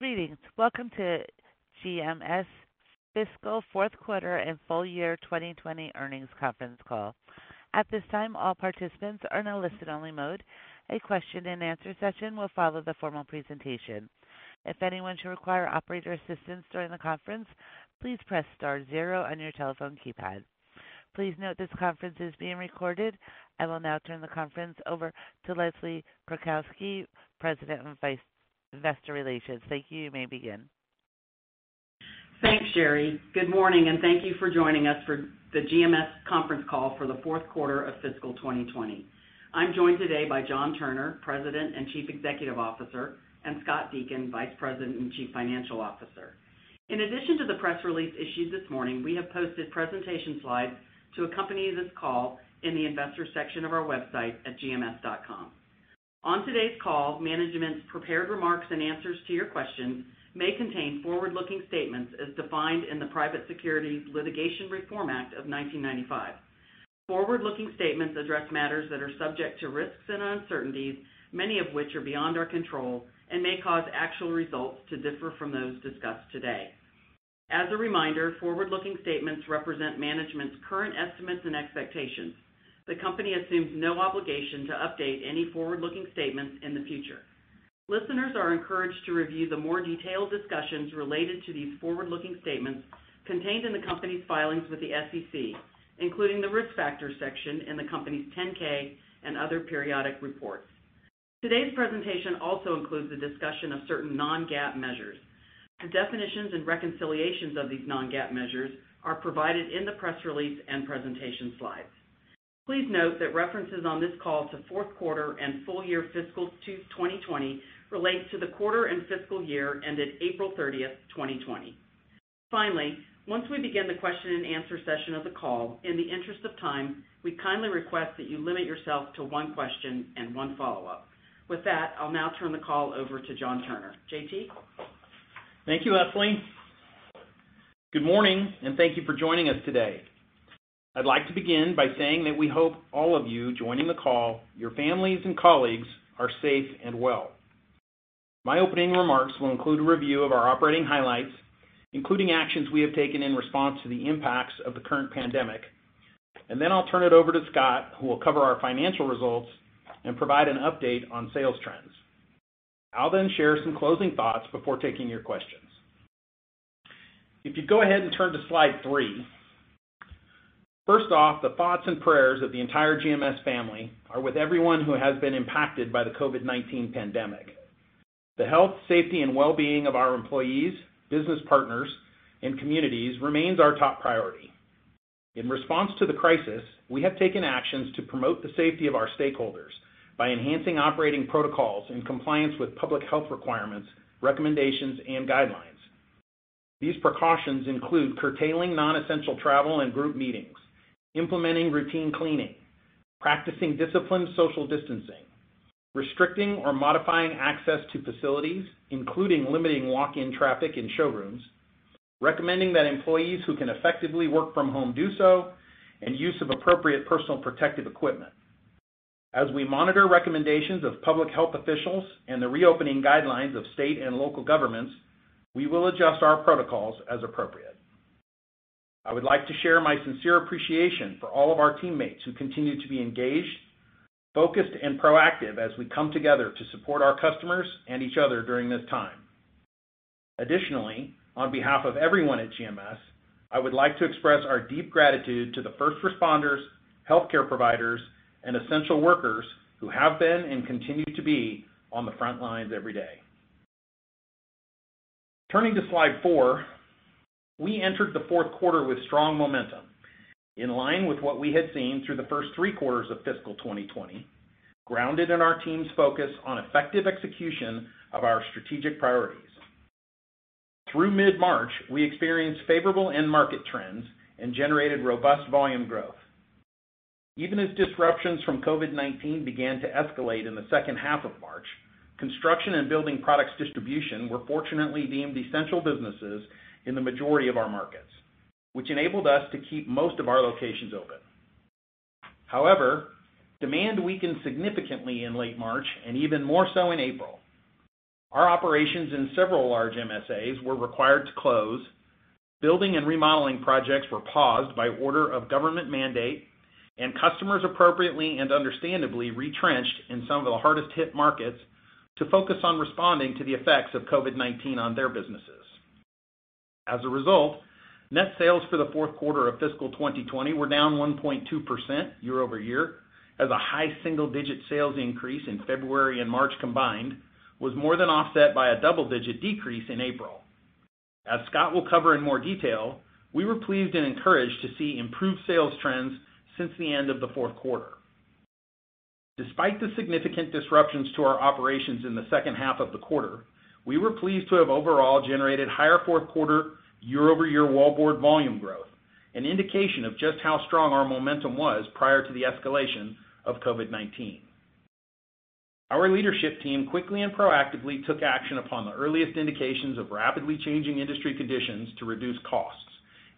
Greetings. Welcome to GMS Fiscal Fourth Quarter and Full Year 2020 Earnings Conference Call. At this time, all participants are in a listen-only mode. A question-and-answer session will follow the formal presentation. If anyone should require operator assistance during the conference, please press star zero on your telephone keypad. Please note this conference is being recorded. I will now turn the conference over to Leslie Kratcoski, President and Vice Investor Relations. Thank you. You may begin. Thanks, Sherry. Good morning, and thank you for joining us for the GMS conference call for the fourth quarter of fiscal 2020. I'm joined today by John Turner, President and Chief Executive Officer, and Scott Deakin, Vice President and Chief Financial Officer. In addition to the press release issued this morning, we have posted presentation slides to accompany this call in the investor section of our website at gms.com. On today's call, management's prepared remarks and answers to your questions may contain forward-looking statements as defined in the Private Securities Litigation Reform Act of 1995. Forward-looking statements address matters that are subject to risks and uncertainties, many of which are beyond our control, and may cause actual results to differ from those discussed today. As a reminder, forward-looking statements represent management's current estimates and expectations. The company assumes no obligation to update any forward-looking statements in the future. Listeners are encouraged to review the more detailed discussions related to these forward-looking statements contained in the company's filings with the SEC, including the Risk Factors section in the company's 10-K and other periodic reports. Today's presentation also includes a discussion of certain non-GAAP measures. The definitions and reconciliations of these non-GAAP measures are provided in the press release and presentation slides. Please note that references on this call to fourth quarter and full year fiscal 2020 relate to the quarter and fiscal year ended April 30th, 2020. Finally, once we begin the question and answer session of the call, in the interest of time, we kindly request that you limit yourself to one question and one follow-up. With that, I'll now turn the call over to John Turner. JT? Thank you, Leslie. Good morning, thank you for joining us today. I'd like to begin by saying that we hope all of you joining the call, your families and colleagues, are safe and well. My opening remarks will include a review of our operating highlights, including actions we have taken in response to the impacts of the current pandemic. Then I'll turn it over to Scott, who will cover our financial results and provide an update on sales trends. I'll then share some closing thoughts before taking your questions. If you go ahead and turn to slide three. First off, the thoughts and prayers of the entire GMS family are with everyone who has been impacted by the COVID-19 pandemic. The health, safety, and wellbeing of our employees, business partners, and communities remains our top priority. In response to the crisis, we have taken actions to promote the safety of our stakeholders by enhancing operating protocols in compliance with public health requirements, recommendations, and guidelines. These precautions include curtailing non-essential travel and group meetings, implementing routine cleaning, practicing disciplined social distancing, restricting or modifying access to facilities, including limiting walk-in traffic in showrooms, recommending that employees who can effectively work from home do so, and use of appropriate personal protective equipment. As we monitor recommendations of Public Health Officials and the reopening guidelines of state and local governments, we will adjust our protocols as appropriate. I would like to share my sincere appreciation for all of our teammates who continue to be engaged, focused, and proactive as we come together to support our customers and each other during this time. Additionally, on behalf of everyone at GMS, I would like to express our deep gratitude to the first responders, healthcare providers, and essential workers who have been and continue to be on the front lines every day. Turning to slide four. We entered the fourth quarter with strong momentum, in line with what we had seen through the first three quarters of fiscal 2020, grounded in our team's focus on effective execution of our strategic priorities. Through mid-March, we experienced favorable end market trends and generated robust volume growth. Even as disruptions from COVID-19 began to escalate in the second half of March, construction and building products distribution were fortunately deemed essential businesses in the majority of our markets, which enabled us to keep most of our locations open. However, demand weakened significantly in late March and even more so in April. Our operations in several large MSAs were required to close. Building and remodeling projects were paused by order of government mandate, and customers appropriately and understandably retrenched in some of the hardest hit markets to focus on responding to the effects of COVID-19 on their businesses. As a result, net sales for the fourth quarter of fiscal 2020 were down 1.2% year-over-year as a high single-digit sales increase in February and March combined was more than offset by a double-digit decrease in April. As Scott will cover in more detail, we were pleased and encouraged to see improved sales trends since the end of the fourth quarter. Despite the significant disruptions to our operations in the second half of the quarter, we were pleased to have overall generated higher fourth quarter year-over-year wallboard volume growth, an indication of just how strong our momentum was prior to the escalation of COVID-19. Our leadership team quickly and proactively took action upon the earliest indications of rapidly changing industry conditions to reduce costs,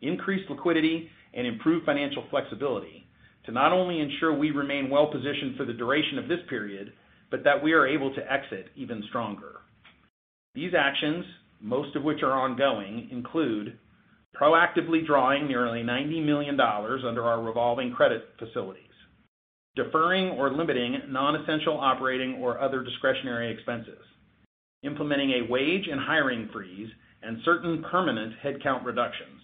increase liquidity and improve financial flexibility to not only ensure we remain well-positioned for the duration of this period, but that we are able to exit even stronger. These actions, most of which are ongoing, include proactively drawing nearly $90 million under our revolving credit facilities, deferring or limiting non-essential operating or other discretionary expenses, implementing a wage and hiring freeze and certain permanent headcount reductions,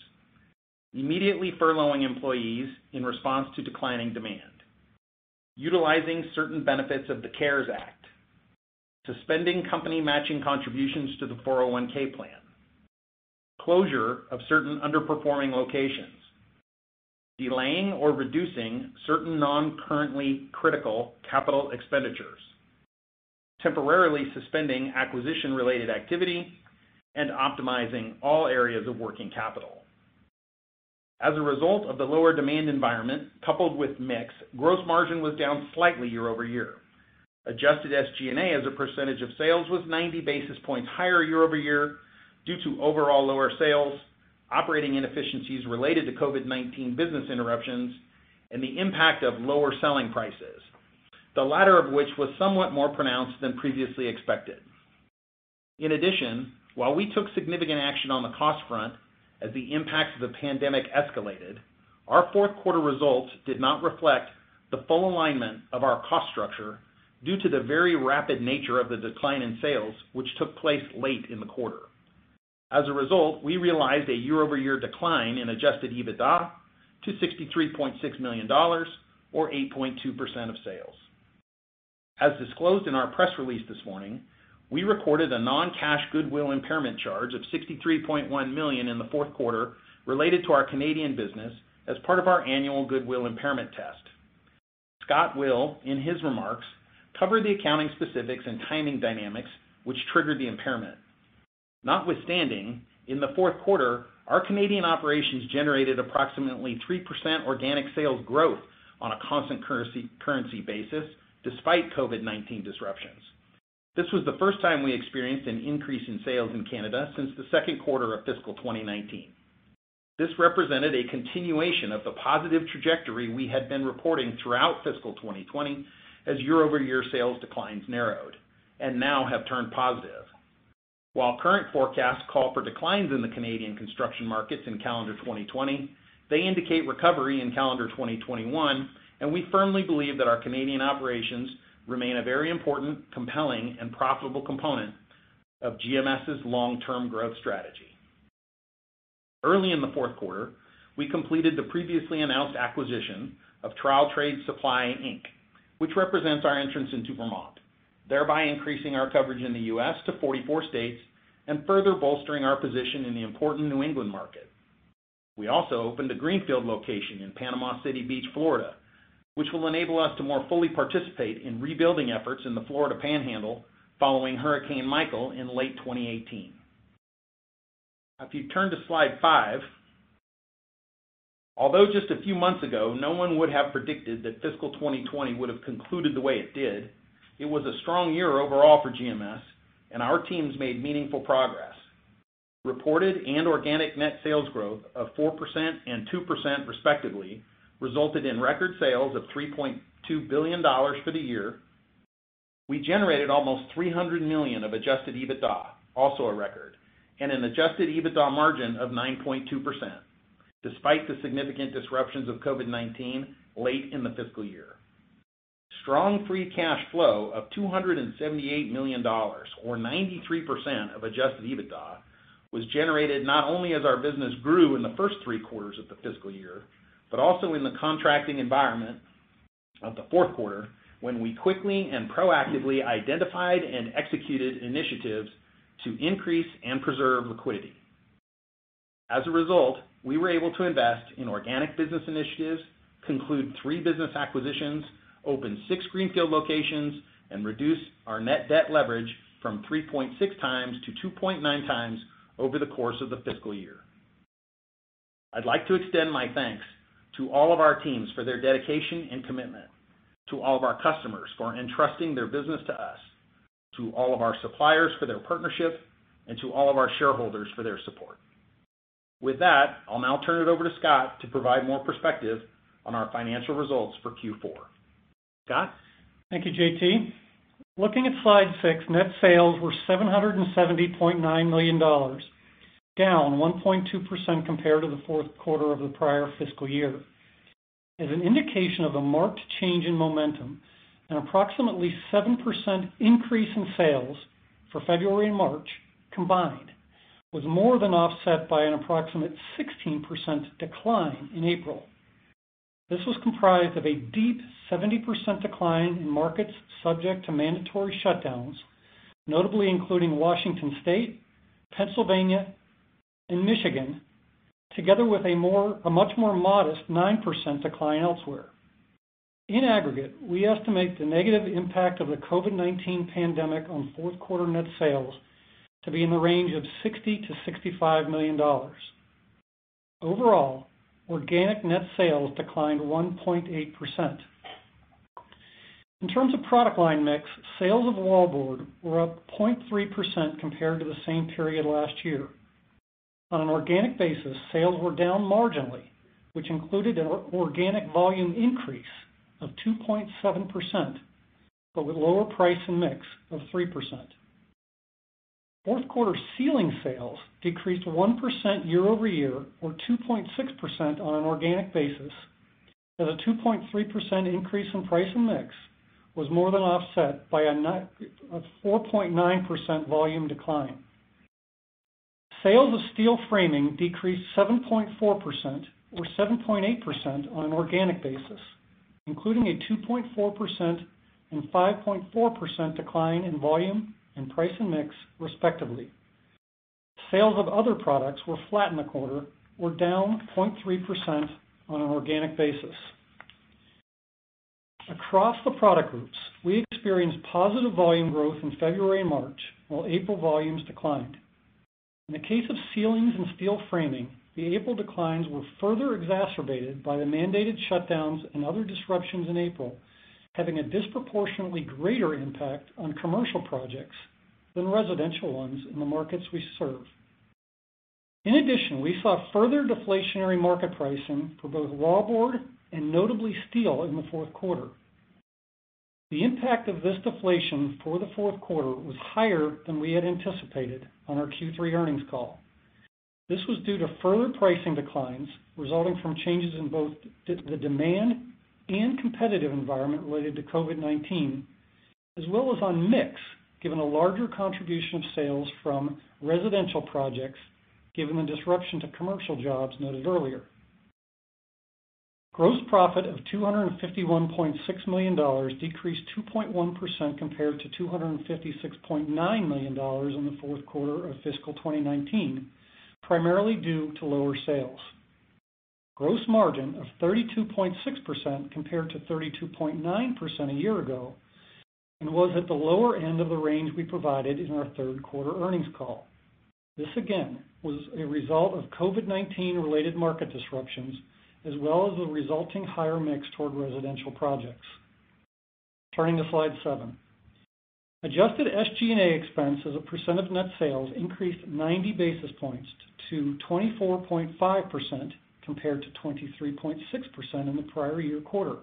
immediately furloughing employees in response to declining demand, utilizing certain benefits of the CARES Act, suspending company matching contributions to the 401(k) plan, closure of certain underperforming locations, delaying or reducing certain non-currently critical capital expenditures, temporarily suspending acquisition-related activity, and optimizing all areas of working capital. As a result of the lower demand environment, coupled with mix, gross margin was down slightly year-over-year. Adjusted SG&A as a percentage of sales was 90 basis points higher year-over-year due to overall lower sales, operating inefficiencies related to COVID-19 business interruptions, and the impact of lower selling prices, the latter of which was somewhat more pronounced than previously expected. In addition, while we took significant action on the cost front as the impact of the pandemic escalated, our fourth quarter results did not reflect the full alignment of our cost structure due to the very rapid nature of the decline in sales, which took place late in the quarter. As a result, we realized a year-over-year decline in adjusted EBITDA to $63.6 million, or 8.2% of sales. As disclosed in our press release this morning, we recorded a non-cash goodwill impairment charge of $63.1 million in the fourth quarter related to our Canadian business as part of our annual goodwill impairment test. Scott will, in his remarks, cover the accounting specifics and timing dynamics which triggered the impairment. Notwithstanding, in the fourth quarter, our Canadian operations generated approximately 3% organic sales growth on a constant currency basis despite COVID-19 disruptions. This was the first time we experienced an increase in sales in Canada since the second quarter of fiscal 2019. This represented a continuation of the positive trajectory we had been reporting throughout fiscal 2020 as year-over-year sales declines narrowed and now have turned positive. While current forecasts call for declines in the Canadian construction markets in calendar 2020, they indicate recovery in calendar 2021, and we firmly believe that our Canadian operations remain a very important, compelling, and profitable component of GMS's long-term growth strategy. Early in the fourth quarter, we completed the previously announced acquisition of Trowel Trades Supply, Inc., which represents our entrance into Vermont, thereby increasing our coverage in the U.S. to 44 states and further bolstering our position in the important New England market. We also opened a greenfield location in Panama City Beach, Florida, which will enable us to more fully participate in rebuilding efforts in the Florida Panhandle following Hurricane Michael in late 2018. If you turn to slide five, although just a few months ago, no one would have predicted that fiscal 2020 would have concluded the way it did, it was a strong year overall for GMS, and our teams made meaningful progress. Reported and organic net sales growth of 4% and 2% respectively resulted in record sales of $3.2 billion for the year. We generated almost $300 million of adjusted EBITDA, also a record, and an adjusted EBITDA margin of 9.2%, despite the significant disruptions of COVID-19 late in the fiscal year. Strong free cash flow of $278 million, or 93% of adjusted EBITDA, was generated not only as our business grew in the first three quarters of the fiscal year, but also in the contracting environment of the fourth quarter, when we quickly and proactively identified and executed initiatives to increase and preserve liquidity. As a result, we were able to invest in organic business initiatives, conclude three business acquisitions, open six greenfield locations, and reduce our net debt leverage from 3.6x-2.9x over the course of the fiscal year. I'd like to extend my thanks to all of our teams for their dedication and commitment, to all of our customers for entrusting their business to us, to all of our suppliers for their partnership, and to all of our shareholders for their support. With that, I'll now turn it over to Scott to provide more perspective on our financial results for Q4. Scott? Thank you, JT. Looking at slide six, net sales were $770.9 million, down 1.2% compared to the fourth quarter of the prior fiscal year. As an indication of a marked change in momentum, an approximately 7% increase in sales for February and March combined was more than offset by an approximate 16% decline in April. This was comprised of a deep 70% decline in markets subject to mandatory shutdowns, notably including Washington State, Pennsylvania, and Michigan, together with a much more modest 9% decline elsewhere. In aggregate, we estimate the negative impact of the COVID-19 pandemic on fourth quarter net sales to be in the range of $60 million-$65 million. Overall, organic net sales declined 1.8%. In terms of product line mix, sales of wallboard were up 0.3% compared to the same period last year. On an organic basis, sales were down marginally, which included an organic volume increase of 2.7%, but with lower price and mix of 3%. Fourth quarter ceiling sales decreased 1% year-over-year or 2.6% on an organic basis, as a 2.3% increase in price and mix was more than offset by a 4.9% volume decline. Sales of steel framing decreased 7.4% or 7.8% on an organic basis, including a 2.4% and 5.4% decline in volume and price and mix, respectively. Sales of other products were flat in the quarter, were down 0.3% on an organic basis. Across the product groups, we experienced positive volume growth in February and March, while April volumes declined. In the case of ceilings and steel framing, the April declines were further exacerbated by the mandated shutdowns and other disruptions in April, having a disproportionately greater impact on commercial projects than residential ones in the markets we serve. In addition, we saw further deflationary market pricing for both wallboard and notably steel in the fourth quarter. The impact of this deflation for the fourth quarter was higher than we had anticipated on our Q3 earnings call. This was due to further pricing declines resulting from changes in both the demand and competitive environment related to COVID-19, as well as on mix, given a larger contribution of sales from residential projects, given the disruption to commercial jobs noted earlier. Gross profit of $251.6 million decreased 2.1% compared to $256.9 million in the fourth quarter of fiscal 2019, primarily due to lower sales. Gross margin of 32.6% compared to 32.9% a year ago and was at the lower end of the range we provided in our third quarter earnings call. This, again, was a result of COVID-19 related market disruptions, as well as the resulting higher mix toward residential projects. Turning to slide seven. Adjusted SG&A expense as a percent of net sales increased 90 basis points to 24.5% compared to 23.6% in the prior year quarter.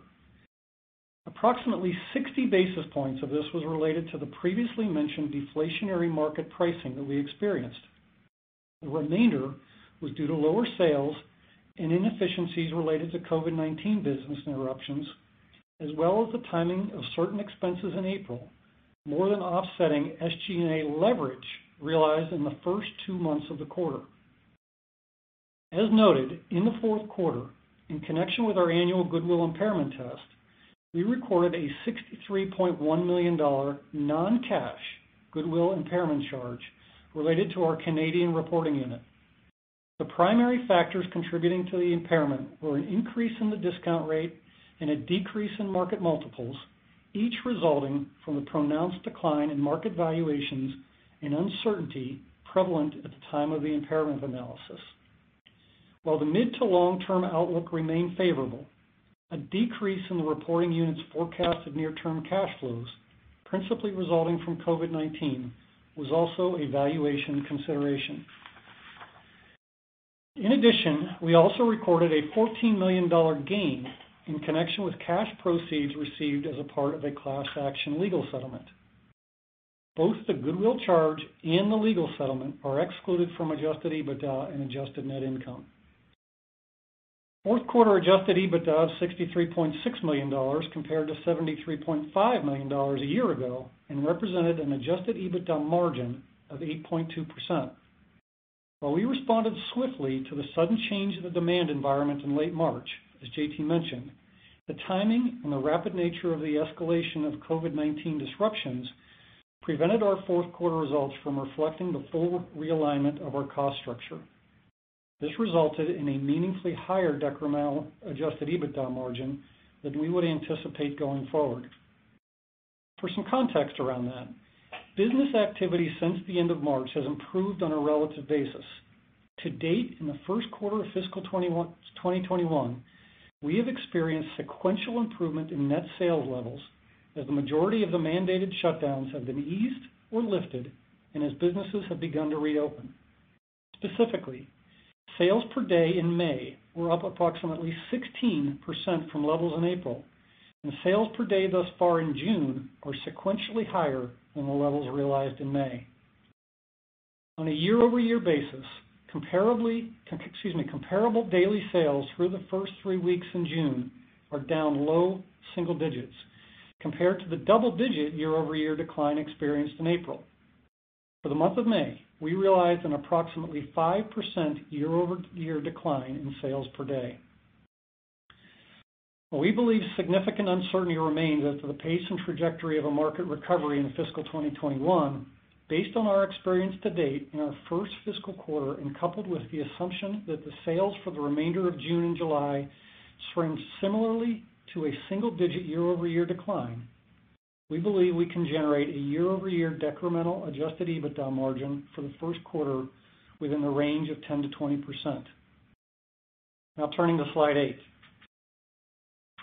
Approximately 60 basis points of this was related to the previously mentioned deflationary market pricing that we experienced. The remainder was due to lower sales and inefficiencies related to COVID-19 business interruptions, as well as the timing of certain expenses in April, more than offsetting SG&A leverage realized in the first two months of the quarter. As noted, in the fourth quarter, in connection with our annual goodwill impairment test, we recorded a $63.1 million non-cash goodwill impairment charge related to our Canadian reporting unit. The primary factors contributing to the impairment were an increase in the discount rate and a decrease in market multiples, each resulting from the pronounced decline in market valuations and uncertainty prevalent at the time of the impairment analysis. While the mid-to-long-term outlook remained favorable, a decrease in the reporting unit's forecast of near-term cash flows, principally resulting from COVID-19, was also a valuation consideration. We also recorded a $14 million gain in connection with cash proceeds received as a part of a class action legal settlement. Both the goodwill charge and the legal settlement are excluded from adjusted EBITDA and adjusted net income. Fourth quarter adjusted EBITDA of $63.6 million compared to $73.5 million a year ago and represented an adjusted EBITDA margin of 8.2%. While we responded swiftly to the sudden change in the demand environment in late March, as JT mentioned, the timing and the rapid nature of the escalation of COVID-19 disruptions prevented our fourth quarter results from reflecting the full realignment of our cost structure. This resulted in a meaningfully higher decremental adjusted EBITDA margin than we would anticipate going forward. For some context around that, business activity since the end of March has improved on a relative basis. To date in the first quarter of fiscal 2021, we have experienced sequential improvement in net sales levels as the majority of the mandated shutdowns have been eased or lifted and as businesses have begun to re-open. Specifically, sales per day in May were up approximately 16% from levels in April. Sales per-day thus far in June are sequentially higher than the levels realized in May. On a year-over-year basis, comparable daily sales through the first three weeks in June are down low single digits compared to the double-digit year-over-year decline experienced in April. For the month of May, we realized an approximately 5% year-over-year decline in sales per day. While we believe significant uncertainty remains as to the pace and trajectory of a market recovery in fiscal 2021, based on our experience to date in our first fiscal quarter, and coupled with the assumption that the sales for the remainder of June and July shrink similarly to a single digit year-over-year decline, we believe we can generate a year-over-year decremental adjusted EBITDA margin for the first quarter within the range of 10%-20%.Turning to slide eight.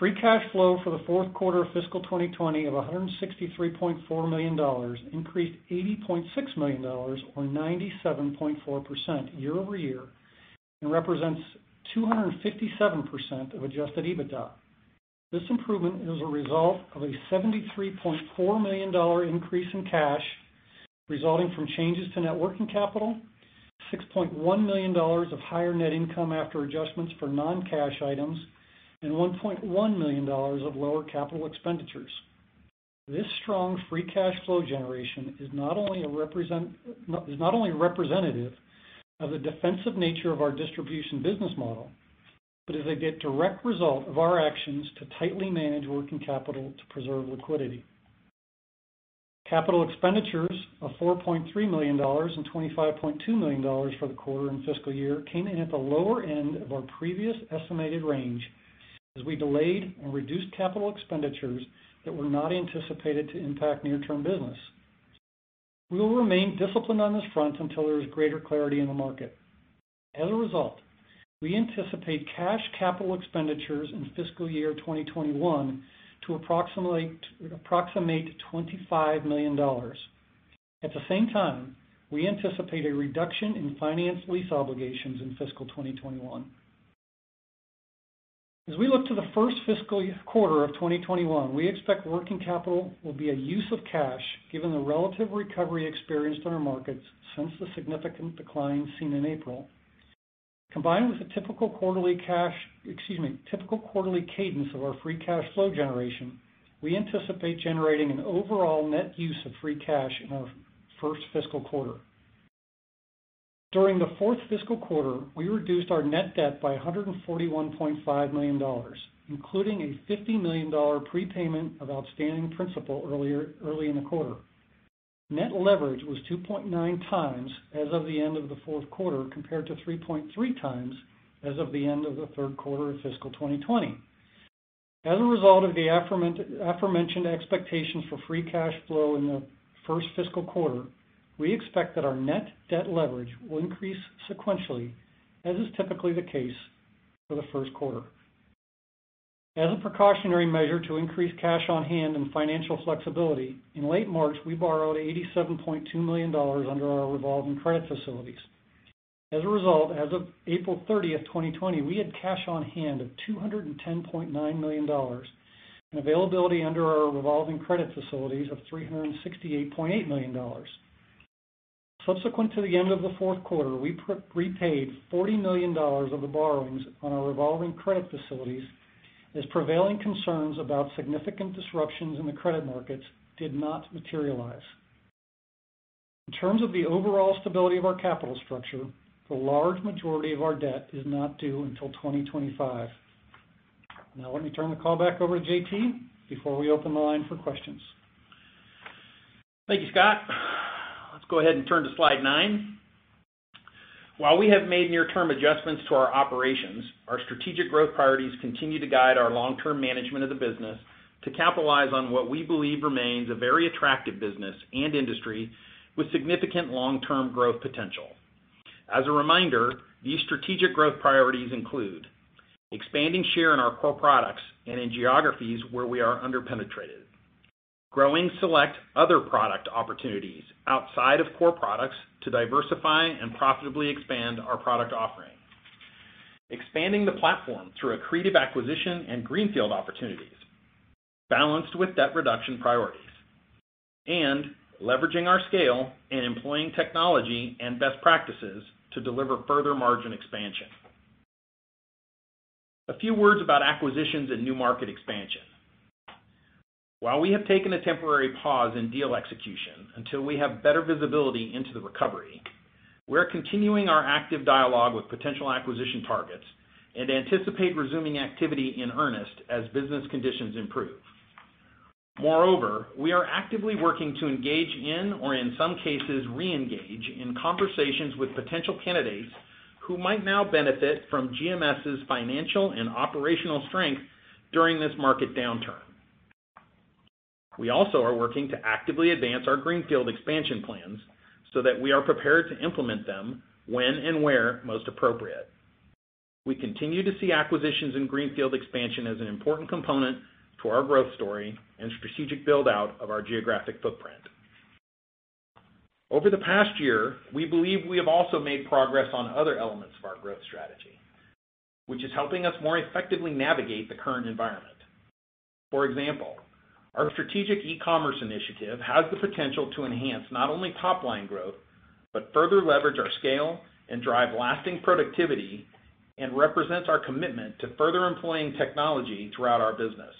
Free cash flow for the fourth quarter of fiscal 2020 of $163.4 million increased $80.6 million, or 97.4% year-over-year, and represents 257% of adjusted EBITDA. This improvement is a result of a $73.4 million increase in cash resulting from changes to net working capital, $6.1 million of higher net income after adjustments for non-cash items, and $1.1 million of lower capital expenditures. This strong free cash flow generation is not only representative of the defensive nature of our distribution business model, but is a direct result of our actions to tightly manage working capital to preserve liquidity. Capital expenditures of $4.3 million and $25.2 million for the quarter and fiscal year came in at the lower end of our previous estimated range as we delayed or reduced capital expenditures that were not anticipated to impact near-term business. We will remain disciplined on this front until there is greater clarity in the market. As a result, we anticipate cash capital expenditures in fiscal year 2021 to approximate $25 million. At the same time, we anticipate a reduction in finance lease obligations in fiscal 2021. As we look to the first fiscal quarter of 2021, we expect working capital will be a use of cash, given the relative recovery experienced in our markets since the significant decline seen in April. Combined with the typical quarterly cadence of our free cash flow generation, we anticipate generating an overall net use of free cash in our first fiscal quarter. During the fourth fiscal quarter, we reduced our net debt by $141.5 million, including a $50 million prepayment of outstanding principal early in the quarter. Net leverage was 2.9x as of the end of the fourth quarter, compared to 3.3x as of the end of the third quarter of fiscal 2020. As a result of the aforementioned expectations for free cash flow in the first fiscal quarter, we expect that our net debt leverage will increase sequentially, as is typically the case for the first quarter. As a precautionary measure to increase cash on hand and financial flexibility, in late March, we borrowed $87.2 million under our revolving credit facilities. As a result, as of April 30, 2020, we had cash on hand of $210.9 million and availability under our revolving credit facilities of $368.8 million. Subsequent to the end of the fourth quarter, we repaid $40 million of the borrowings on our revolving credit facilities as prevailing concerns about significant disruptions in the credit markets did not materialize. In terms of the overall stability of our capital structure, the large majority of our debt is not due until 2025. Now let me turn the call back over to JT before we open the line for questions. Thank you, Scott. Let's go ahead and turn to slide nine. While we have made near-term adjustments to our operations, our strategic growth priorities continue to guide our long-term management of the business to capitalize on what we believe remains a very attractive business and industry with significant long-term growth potential. As a reminder, these strategic growth priorities include expanding share in our core products and in geographies where we are under-penetrated, growing select other product opportunities outside of core products to diversify and profitably expand our product offering, expanding the platform through accretive acquisition and greenfield opportunities balanced with debt reduction priorities, and leveraging our scale and employing technology and best practices to deliver further margin expansion. A few words about acquisitions and new market expansion. While we have taken a temporary pause in deal execution until we have better visibility into the recovery, we're continuing our active dialogue with potential acquisition targets and anticipate resuming activity in earnest as business conditions improve. We are actively working to engage in, or in some cases re-engage, in conversations with potential candidates who might now benefit from GMS's financial and operational strength during this market downturn. We also are working to actively advance our greenfield expansion plans so that we are prepared to implement them when and where most appropriate. We continue to see acquisitions and greenfield expansion as an important component to our growth story and strategic build-out of our geographic footprint. Over the past year, we believe we have also made progress on other elements of our growth strategy, which is helping us more effectively navigate the current environment. For example, our strategic e-commerce initiative has the potential to enhance not only top-line growth, but further leverage our scale and drive lasting productivity, and represents our commitment to further employing technology throughout our business.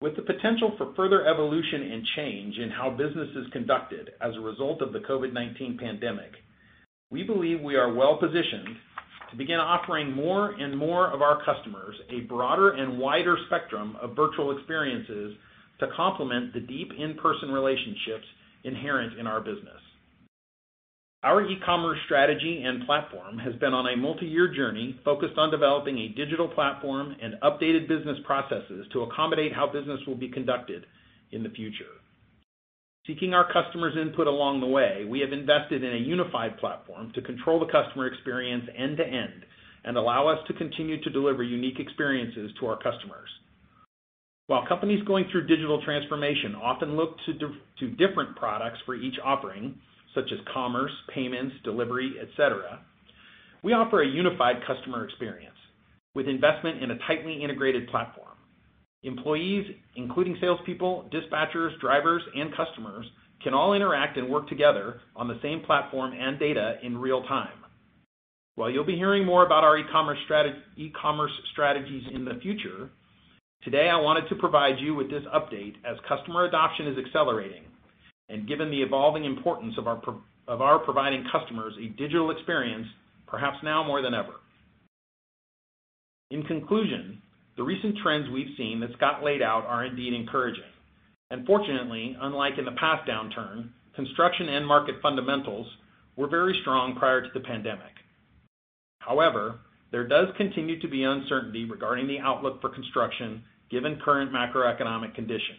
With the potential for further evolution and change in how business is conducted as a result of the COVID-19 pandemic, we believe we are well positioned to begin offering more and more of our customers a broader and wider spectrum of virtual experiences to complement the deep in-person relationships inherent in our business. Our e-commerce strategy and platform has been on a multiyear journey focused on developing a digital platform and updated business processes to accommodate how business will be conducted in the future. Seeking our customers' input along the way, we have invested in a unified platform to control the customer experience end to end and allow us to continue to deliver unique experiences to our customers. While companies going through digital transformation often look to different products for each offering, such as commerce, payments, delivery, et cetera, we offer a unified customer experience with investment in a tightly integrated platform. Employees, including salespeople, dispatchers, drivers, and customers, can all interact and work together on the same platform and data in real time. While you'll be hearing more about our e-commerce strategies in the future, today I wanted to provide you with this update as customer adoption is accelerating, and given the evolving importance of our providing customers a digital experience, perhaps now more than ever. In conclusion, the recent trends we've seen that Scott laid out are indeed encouraging. Fortunately, unlike in the past downturn, construction and market fundamentals were very strong prior to the pandemic. There does continue to be uncertainty regarding the outlook for construction given current macroeconomic conditions.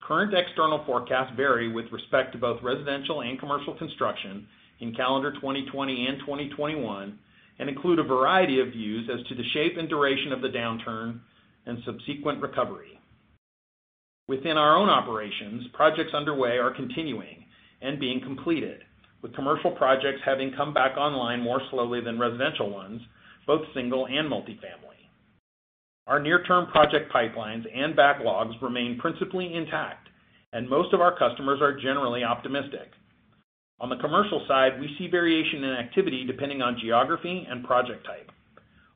Current external forecasts vary with respect to both residential and commercial construction in calendar 2020 and 2021 and include a variety of views as to the shape and duration of the downturn and subsequent recovery. Within our own operations, projects underway are continuing and being completed, with commercial projects having come back online more slowly than residential ones, both single and multifamily. Our near-term project pipelines and backlogs remain principally intact, and most of our customers are generally optimistic. On the commercial side, we see variation in activity depending on geography and project type.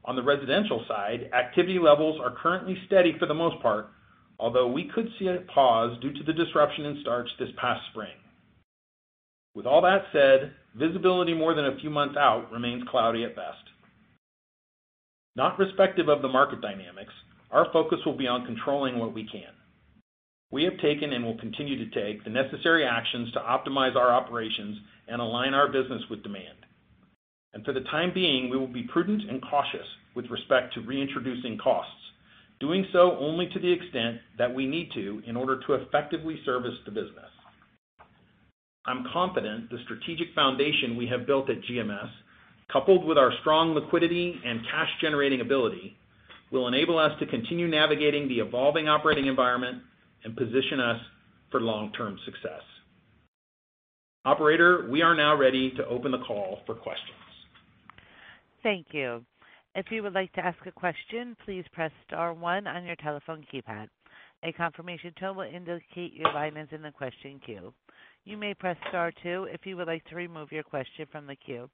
On the residential side, activity levels are currently steady for the most part, although we could see a pause due to the disruption in starts this past spring. With all that said, visibility more than a few months out remains cloudy at best. Not respective of the market dynamics, our focus will be on controlling what we can. We have taken and will continue to take the necessary actions to optimize our operations and align our business with demand. For the time being, we will be prudent and cautious with respect to reintroducing costs, doing so only to the extent that we need to in order to effectively service the business. I'm confident the strategic foundation we have built at GMS, coupled with our strong liquidity and cash-generating ability, will enable us to continue navigating the evolving operating environment and position us for long-term success. Operator, we are now ready to open the call for questions. Thank you. If you would like to ask a question, please press star one on your telephone keypad. A confirmation tone will indicate your line is in the question queue. You may press star two if you would like to remove your question from the queue.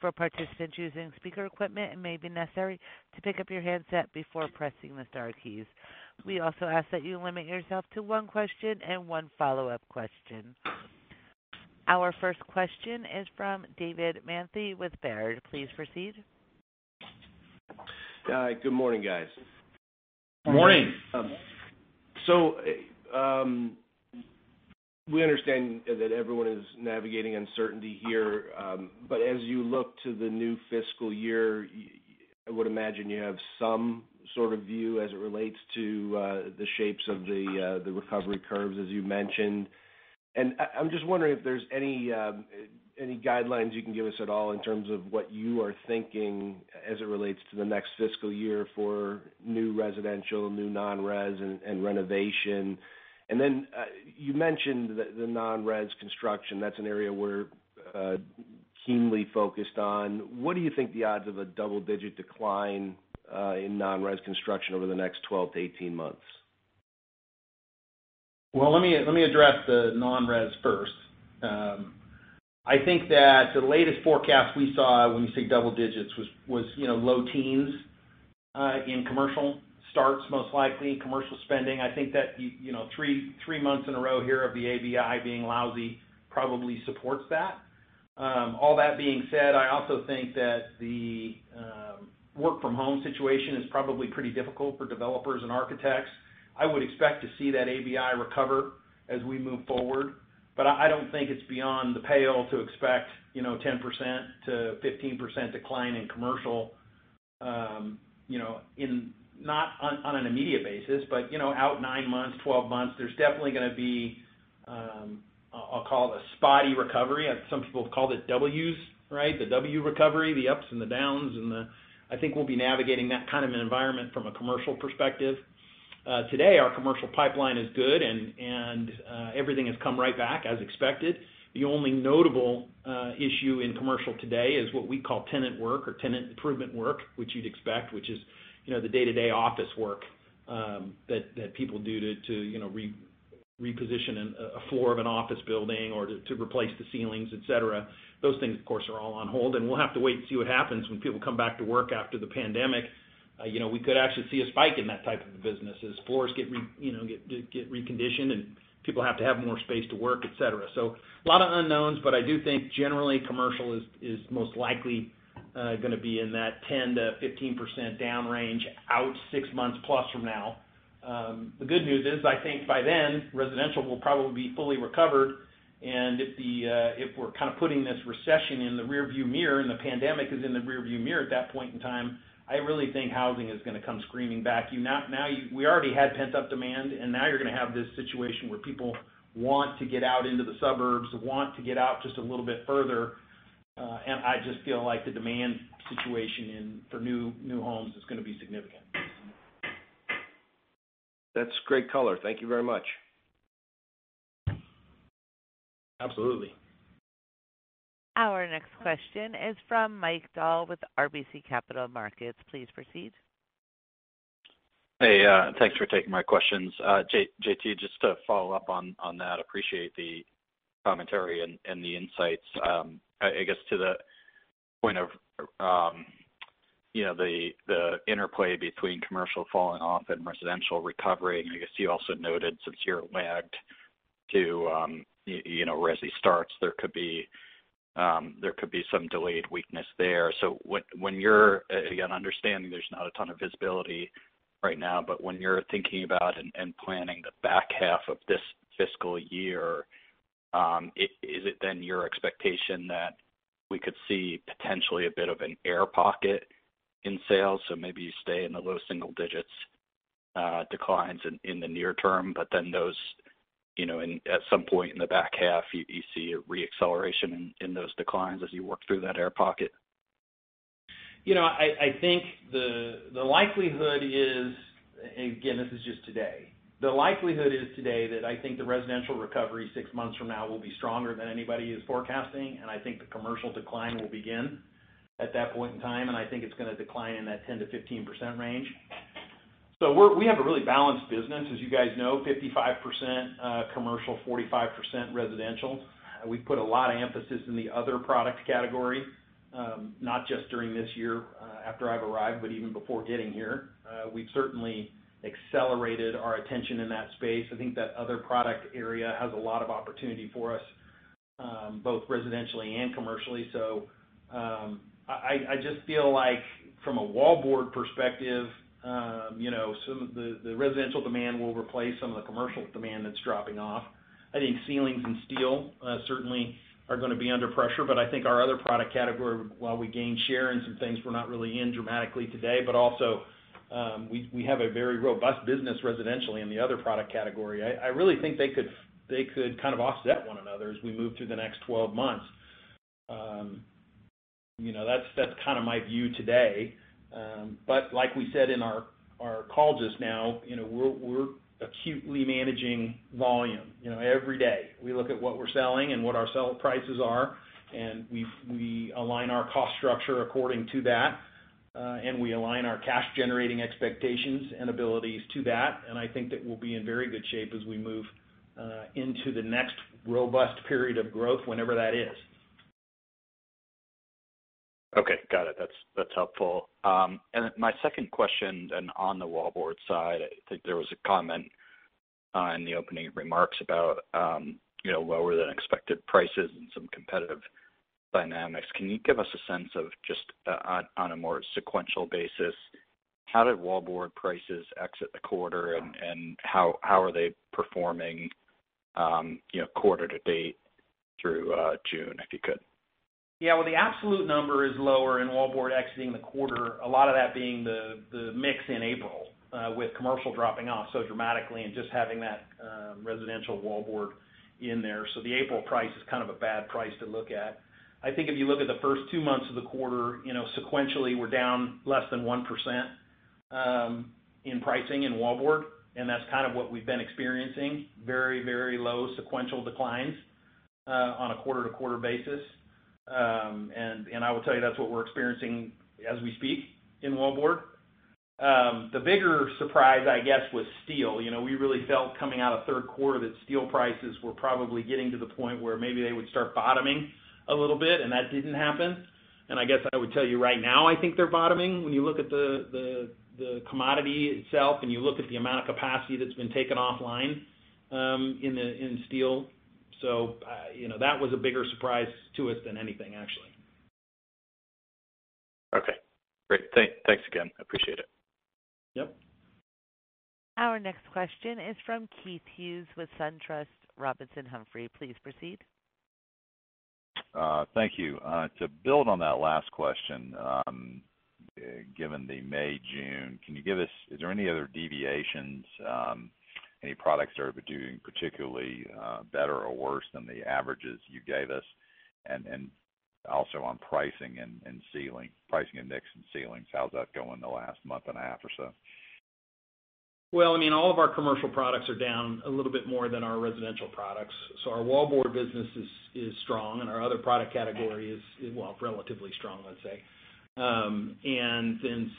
For participants using speaker equipment, it may be necessary to pick up your handset before pressing the star keys. We also ask that you limit yourself to one question and one follow-up question. Our first question is from David Manthey with Baird. Please proceed. Good morning, guys. Morning. We understand that everyone is navigating uncertainty here, but as you look to the new fiscal year, I would imagine you have some sort of view as it relates to the shapes of the recovery curves, as you mentioned. I'm just wondering if there's any guidelines you can give us at all in terms of what you are thinking as it relates to the next fiscal year for new residential, new non-res, and renovation. Then you mentioned the non-res construction. That's an area we're keenly focused on. What do you think the odds of a double-digit decline in non-res construction over the next 12-18 months? Let me address the non-res first. I think that the latest forecast we saw when we say double digits was low teens in commercial starts, most likely commercial spending. I think that three months in a row here of the ABI being lousy probably supports that. All that being said, I also think that the work from home situation is probably pretty difficult for developers and architects. I would expect to see that ABI recover as we move forward, but I don't think it's beyond the pale to expect 10%-15% decline in commercial, not on an immediate basis, but out nine months, 12 months. There's definitely going to be, I'll call it, a spotty recovery. Some people have called it WS, right? The W recovery, the ups and the downs. I think we'll be navigating that kind of an environment from a commercial perspective. Today, our commercial pipeline is good, and everything has come right back as expected. The only notable issue in commercial today is what we call tenant work or tenant improvement work, which you'd expect, which is the day-to-day office work that people do to reposition a floor of an office building or to replace the ceilings, et cetera. Those things, of course, are all on hold, and we'll have to wait and see what happens when people come back to work after the COVID-19 pandemic. We could actually see a spike in that type of business as floors get reconditioned and people have to have more space to work, et cetera. A lot of unknowns, but I do think generally commercial is most likely going to be in that 10%-15% down range out six months plus from now. The good news is I think by then, residential will probably be fully recovered. If we're kind of putting this recession in the rear view mirror and the pandemic is in the rear view mirror at that point in time, I really think housing is going to come screaming back. We already had pent-up demand, now you're going to have this situation where people want to get out into the suburbs, want to get out just a little bit further. I just feel like the demand situation for new homes is going to be significant. That's great color. Thank you very much. Absolutely. Our next question is from Mike Dahl with RBC Capital Markets. Please proceed. Hey, thanks for taking my questions. JT, just to follow up on that, appreciate the commentary and the insights. I guess to the point of the interplay between commercial falling off and residential recovery, I guess you also noted since you're lagged to resi starts, there could be some delayed weakness there. Again, understanding there's not a ton of visibility right now, but when you're thinking about and planning the back half of this fiscal year, is it then your expectation that we could see potentially a bit of an air pocket in sales? Maybe you stay in the low single digits, declines in the near term, but then at some point in the back half, you see a re-acceleration in those declines as you work through that air pocket? I think the likelihood is, again, this is just today. The likelihood is today that I think the residential recovery six months from now will be stronger than anybody is forecasting, and I think the commercial decline will begin at that point in time, and I think it's going to decline in that 10%-15% range. We have a really balanced business, as you guys know, 55% commercial, 45% residential. We put a lot of emphasis in the other products category, not just during this year after I've arrived, but even before getting here. We've certainly accelerated our attention in that space. I think that other product area has a lot of opportunity for us, both residentially and commercially. I just feel like from a wallboard perspective the residential demand will replace some of the commercial demand that's dropping off. I think ceilings and steel certainly are going to be under pressure, but I think our other product category, while we gain share in some things we're not really in dramatically today, but also, we have a very robust business residentially in the other product category. I really think they could kind of offset one another as we move through the next 12 months. That's kind of my view today. Like we said in our call just now, we're acutely managing volume. Every day we look at what we're selling and what our sell prices are, and we align our cost structure according to that, and we align our cash-generating expectations and abilities to that. I think that we'll be in very good shape as we move into the next robust period of growth, whenever that is. Okay. Got it. That's helpful. My second question then on the wallboard side, I think there was a comment in the opening remarks about lower than expected prices and some competitive dynamics. Can you give us a sense of just on a more sequential basis, how did wallboard prices exit the quarter and how are they performing quarter to date through June, if you could? Yeah. Well, the absolute number is lower in wallboard exiting the quarter. A lot of that being the mix in April, with commercial dropping off so dramatically and just having that residential wallboard in there. The April price is kind of a bad price to look at. I think if you look at the first two months of the quarter, sequentially, we're down less than 1% in pricing in wallboard, and that's kind of what we've been experiencing, very low sequential declines on a quarter-to-quarter basis. I will tell you that's what we're experiencing as we speak in wallboard. The bigger surprise, I guess, was steel. We really felt coming out of third quarter that steel prices were probably getting to the point where maybe they would start bottoming a little bit, and that didn't happen. I guess I would tell you right now, I think they're bottoming. When you look at the commodity itself and you look at the amount of capacity that's been taken offline in steel. That was a bigger surprise to us than anything, actually. Okay, great. Thanks again. Appreciate it. Yep. Our next question is from Keith Hughes with SunTrust Robinson Humphrey. Please proceed. Thank you. To build on that last question, given the May, June, is there any other deviations? Any products that are doing particularly better or worse than the averages you gave us? Also on pricing and mixing ceilings, how's that going the last month and a half or so? All of our commercial products are down a little bit more than our residential products. Our wallboard business is strong and our other product category is, well, relatively strong, let's say.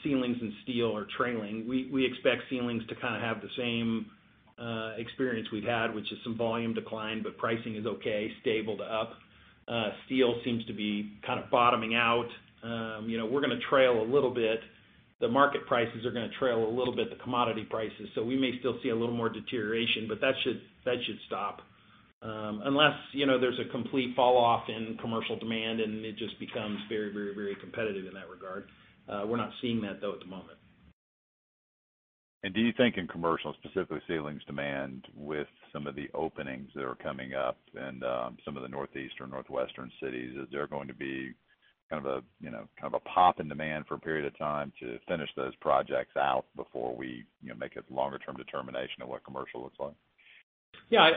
Ceilings and steel are trailing. We expect ceilings to kind of have the same experience we've had, which is some volume decline, but pricing is okay, stable to up. Steel seems to be kind of bottoming out. We're going to trail a little bit. The market prices are going to trail a little bit the commodity prices. We may still see a little more deterioration, but that should stop. Unless there's a complete fall off in commercial demand and it just becomes very competitive in that regard. We're not seeing that though at the moment. Do you think in commercial, specifically ceilings demand with some of the openings that are coming up in some of the Northeastern, Northwestern cities, is there going to be kind of a pop in demand for a period of time to finish those projects out before we make a longer-term determination of what commercial looks like? Yeah,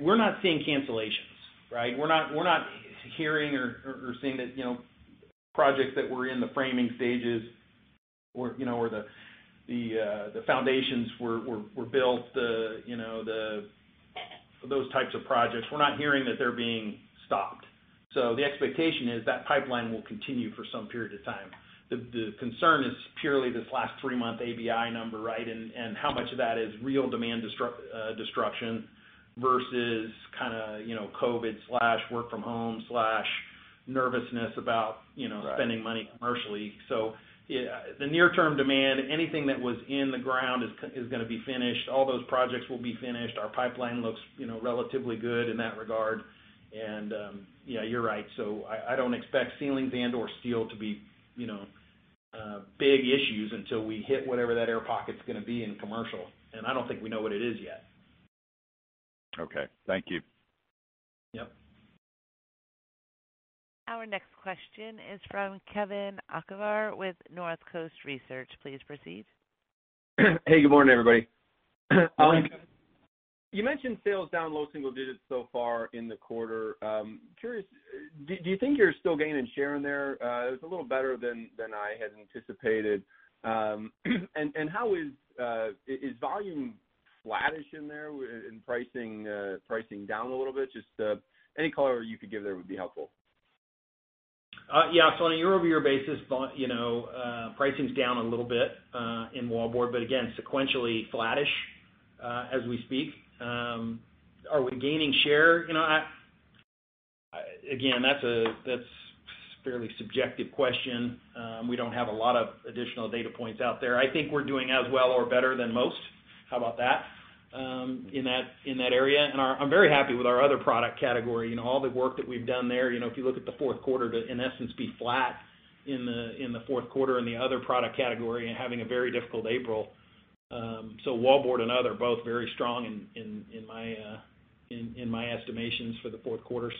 we're not seeing cancellations, right? We're not hearing or seeing that projects that were in the framing stages or the foundations were built, those types of projects. We're not hearing that they're being stopped. The expectation is that pipeline will continue for some period of time. The concern is purely this last three-month ABI number, right? How much of that is real demand destruction versus kind of COVID slash work from home slash nervousness about spending money commercially. The near-term demand, anything that was in the ground is going to be finished. All those projects will be finished. Our pipeline looks relatively good in that regard. Yeah, you're right. I don't expect ceilings and/or steel to be big issues until we hit whatever that air pocket's going to be in commercial. I don't think we know what it is yet. Okay. Thank you. Yep. Our next question is from Kevin Hocevar with Northcoast Research. Please proceed. Hey, good morning, everybody. You mentioned sales down low single digits so far in the quarter. Curious, do you think you're still gaining share in there? It was a little better than I had anticipated. Is volume flattish in there, and pricing down a little bit? Just any color you could give there would be helpful. Yeah. On a year-over-year basis, pricing's down a little bit in wallboard, but again, sequentially flattish, as we speak. Are we gaining share? Again, that's fairly subjective question. We don't have a lot of additional data points out there. I think we're doing as well or better than most. How about that in that area? I'm very happy with our other product category, all the work that we've done there. If you look at the fourth quarter to, in essence, be flat in the fourth quarter in the other product category and having a very difficult April. Wallboard and other, both very strong in my estimations for the fourth quarter.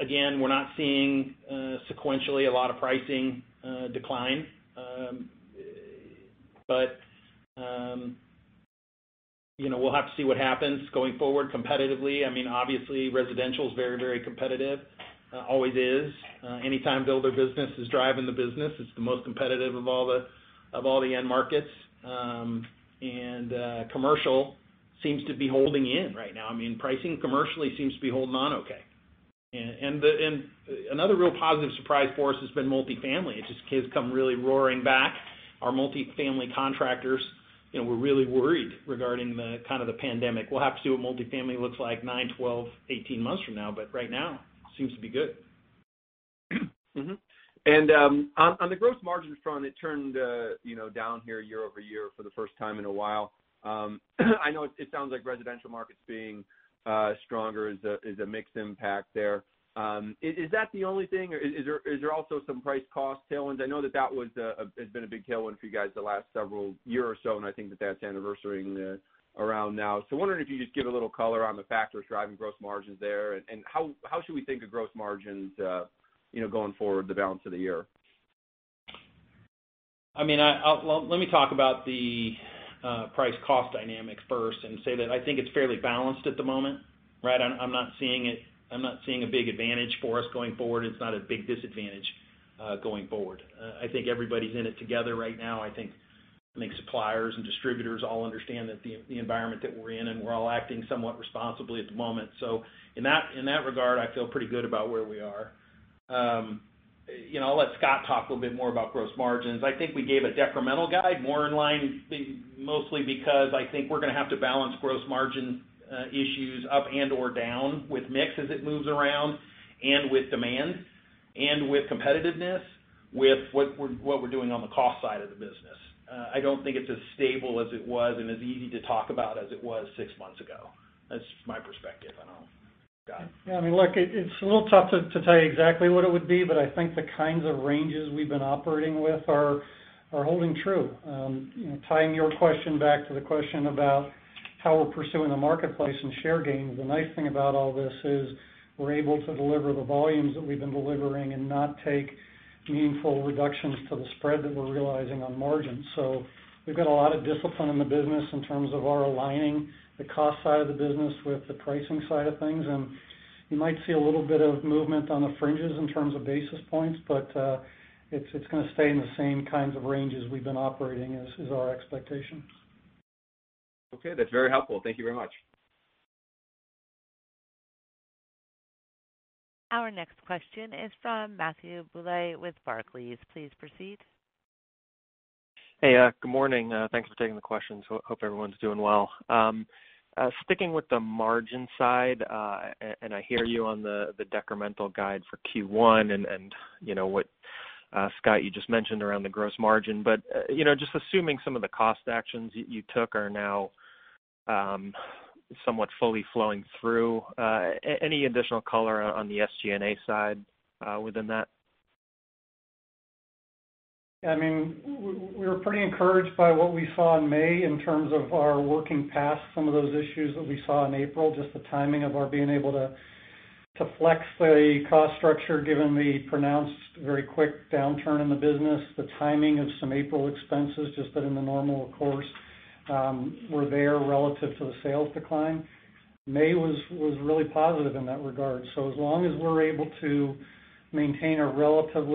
Again, we're not seeing sequentially a lot of pricing decline. We'll have to see what happens going forward competitively. Obviously, residential's very competitive, always is. Anytime builder business is driving the business, it's the most competitive of all the end markets. Commercial seems to be holding in right now. Pricing commercially seems to be holding on okay. Another real positive surprise for us has been multifamily. It just has come really roaring back. Our multifamily contractors were really worried regarding the kind of the pandemic. We'll have to see what multifamily looks like nine, 12, 18 months from now, but right now, seems to be good. On the gross margins front, it turned down here year-over-year for the first time in a while. I know it sounds like residential markets being stronger is a mixed impact there. Is that the only thing, or is there also some price cost tailwinds? I know that that has been a big tailwind for you guys the last several year or so, and I think that that's anniversarying around now. Wondering if you could just give a little color on the factors driving gross margins there, and how should we think of gross margins going forward the balance of the year? Let me talk about the price cost dynamics first and say that I think it's fairly balanced at the moment, right? I'm not seeing a big advantage for us going forward. It's not a big disadvantage going forward. I think everybody's in it together right now. I think suppliers and distributors all understand the environment that we're in, and we're all acting somewhat responsibly at the moment. In that regard, I feel pretty good about where we are. I'll let Scott talk a little bit more about gross margins. I think we gave a decremental guide more in line mostly because I think we're going to have to balance gross margin issues up and/or down with mix as it moves around and with demand and with competitiveness with what we're doing on the cost side of the business. I don't think it's as stable as it was and as easy to talk about as it was six months ago. That's my perspective. Now, Scott. Yeah. Look, it's a little tough to tell you exactly what it would be, but I think the kinds of ranges we've been operating with are holding true. Tying your question back to the question about how we're pursuing the marketplace and share gains, the nice thing about all this is we're able to deliver the volumes that we've been delivering and not take meaningful reductions to the spread that we're realizing on margins. We've got a lot of discipline in the business in terms of our aligning the cost side of the business with the pricing side of things. You might see a little bit of movement on the fringes in terms of basis points, but it's going to stay in the same kinds of ranges we've been operating is our expectation. Okay. That's very helpful. Thank you very much. Our next question is from Matthew Bouley with Barclays. Please proceed. Hey, good morning. Thanks for taking the questions. Hope everyone's doing well. Sticking with the margin side, I hear you on the decremental guide for Q1, and what Scott you just mentioned around the gross margin. Just assuming some of the cost actions you took are now Somewhat fully flowing through. Any additional color on the SG&A side within that? We were pretty encouraged by what we saw in May in terms of our working past some of those issues that we saw in April, just the timing of our being able to flex the cost structure, given the pronounced, very quick downturn in the business, the timing of some April expenses, just that in the normal course were there relative to the sales decline. May was really positive in that regard. As long as we're able to maintain a relative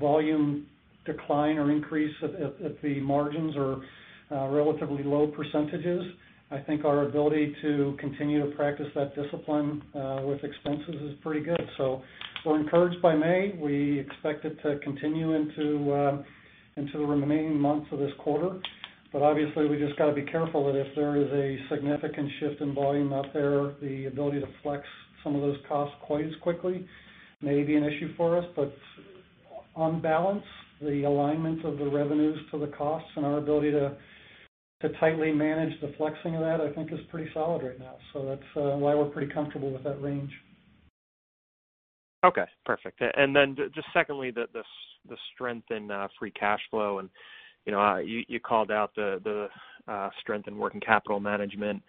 volume decline or increase if the margins are relatively low percentages, I think our ability to continue to practice that discipline with expenses is pretty good. We're encouraged by May. We expect it to continue into the remaining months of this quarter. Obviously, we just got to be careful that if there is a significant shift in volume out there, the ability to flex some of those costs quite as quickly may be an issue for us. On balance, the alignment of the revenues to the costs and our ability to tightly manage the flexing of that, I think is pretty solid right now. That's why we're pretty comfortable with that range. Okay, perfect. Secondly, the strength in free cash flow, and you called out the strength in working capital management.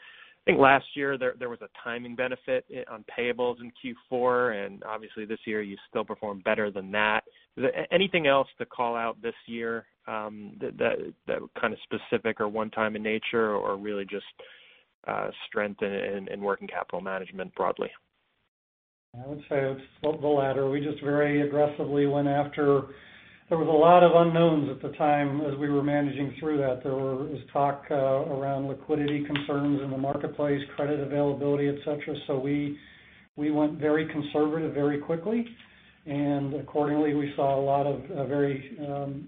I think last year there was a timing benefit on payables in Q4, and obviously this year you still performed better than that. Is there anything else to call out this year that were kind of specific or one-time in nature, or really just strength in working capital management broadly? I would say it's the latter. We just very aggressively went after. There was a lot of unknowns at the time as we were managing through that. There was talk around liquidity concerns in the marketplace, credit availability, et cetera. We went very conservative very quickly, and accordingly, we saw a lot of very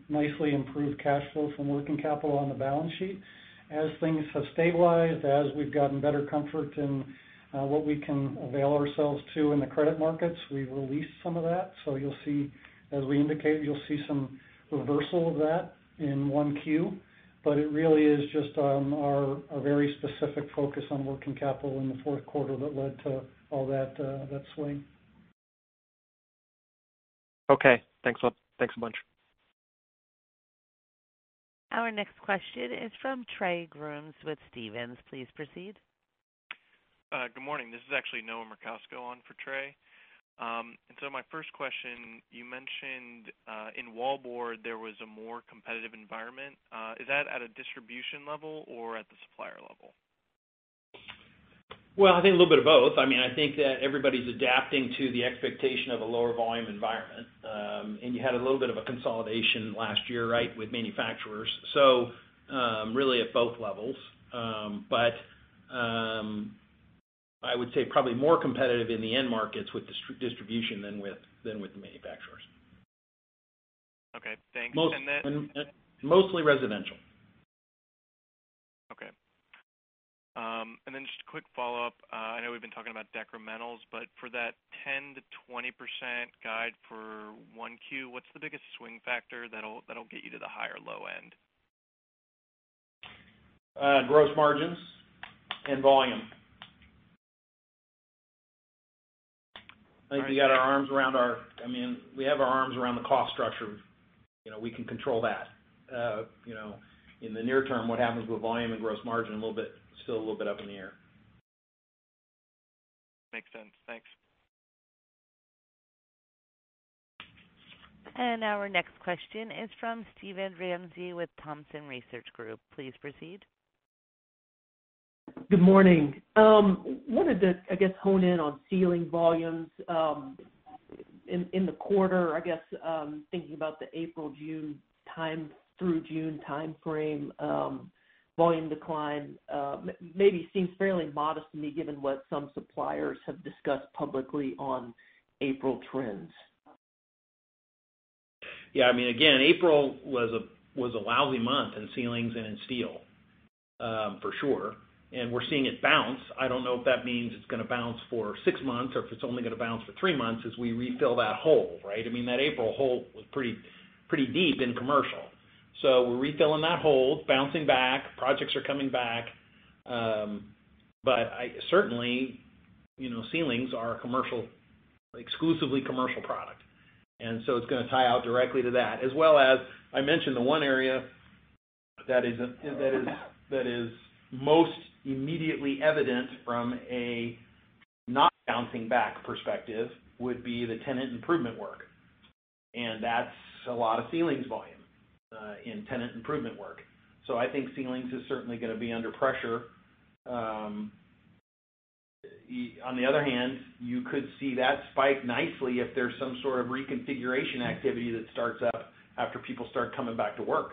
nicely improved cash flow from working capital on the balance sheet. As things have stabilized, as we've gotten better comfort in what we can avail ourselves to in the credit markets, we've released some of that. As we indicated, you'll see some reversal of that in 1Q, but it really is just on our very specific focus on working capital in the fourth quarter that led to all that swing. Okay, thanks a bunch. Our next question is from Trey Grooms with Stephens. Please proceed. Good morning. This is actually Noah Merkousko on for Trey. My first question, you mentioned in wallboard there was a more competitive environment. Is that at a distribution level or at the supplier level? Well, I think a little bit of both. I think that everybody's adapting to the expectation of a lower volume environment. You had a little bit of a consolidation last year with manufacturers. Really at both levels. I would say probably more competitive in the end markets with distribution than with the manufacturers. Okay, thanks. Mostly residential. Okay. Just a quick follow-up. I know we've been talking about decrementals, but for that 10%-20% guide for 1Q, what's the biggest swing factor that'll get you to the high or low end? Gross margins and volume. I think we have our arms around the cost structure. We can control that. In the near term, what happens with volume and gross margin, still a little bit up in the air. Makes sense. Thanks. Our next question is from Steven Ramsey with Thompson Research Group. Please proceed. Good morning. I wanted to, I guess, hone in on ceiling volumes in the quarter, I guess, thinking about the April through June timeframe volume decline. Maybe seems fairly modest to me, given what some suppliers have discussed publicly on April trends. Yeah. April was a lousy month in ceilings and in steel, for sure. We're seeing it bounce. I don't know if that means it's going to bounce for six months or if it's only going to bounce for three months as we refill that hole, right? That April hole was pretty deep in commercial. We're refilling that hole, bouncing back. Projects are coming back. Certainly, ceilings are exclusively commercial product. It's going to tie out directly to that. As well as I mentioned, the one area that is most immediately evident from a not bouncing back perspective would be the tenant improvement work. That's a lot of ceilings volume in tenant improvement work. I think ceilings is certainly going to be under pressure. On the other hand, you could see that spike nicely if there's some sort of reconfiguration activity that starts up after people start coming back to work.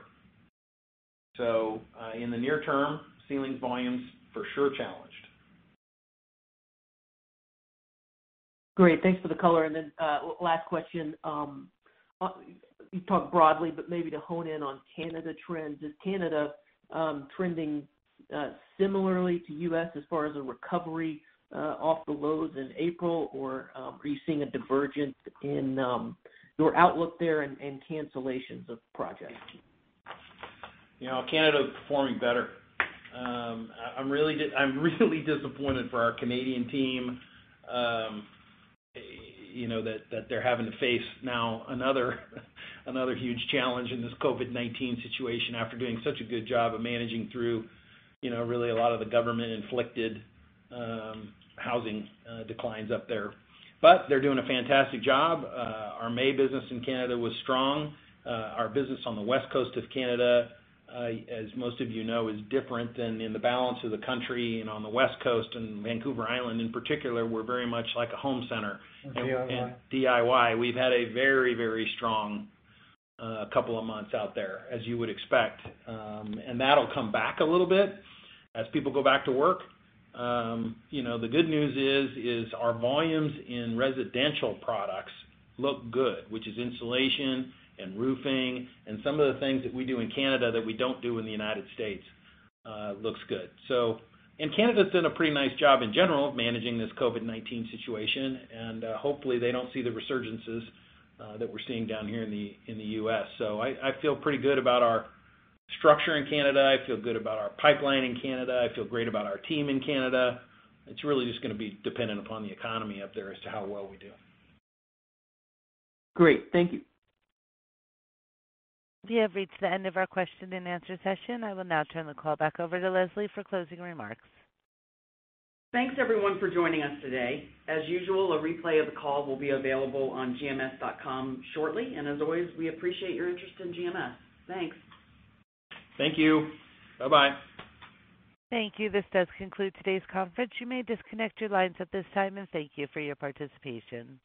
In the near term, ceiling volumes for sure challenged. Great. Thanks for the color. Last question. You talked broadly, but maybe to hone in on Canada trends. Is Canada trending similarly to U.S. as far as a recovery off the lows in April, or are you seeing a divergence in your outlook there and cancellations of projects? Canada is performing better. I'm really disappointed for our Canadian team, that they're having to face now another huge challenge in this COVID-19 situation after doing such a good job of managing through really a lot of the government-inflicted housing declines up there. They're doing a fantastic job. Our May business in Canada was strong. Our business on the west coast of Canada, as most of you know, is different than in the balance of the country. On the west coast, and Vancouver Island in particular, we're very much like a home center. In DIY. In DIY. We've had a very strong couple of months out there, as you would expect. That'll come back a little bit as people go back to work. The good news is our volumes in residential products look good, which is insulation and roofing, and some of the things that we do in Canada that we don't do in the U.S., looks good. Canada's done a pretty nice job in general of managing this COVID-19 situation, and hopefully they don't see the resurgences that we're seeing down here in the U.S. I feel pretty good about our structure in Canada. I feel good about our pipeline in Canada. I feel great about our team in Canada. It's really just going to be dependent upon the economy up there as to how well we do. Great. Thank you. We have reached the end of our question and answer session. I will now turn the call back over to Leslie for closing remarks. Thanks, everyone, for joining us today. As usual, a replay of the call will be available on gms.com shortly. As always, we appreciate your interest in GMS. Thanks. Thank you. Bye-bye. Thank you. This does conclude today's conference. You may disconnect your lines at this time, and thank you for your participation.